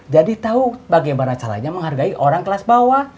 jadi tau bagaimana caranya menghargai orang kelas bawah